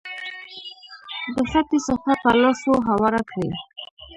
د خټې صفحه په لاسو هواره کړئ.